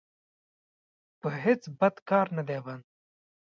په هېڅ بد کار نه بند دی.